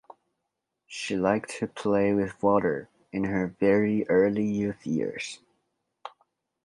She liked to play with water in her very early youth years.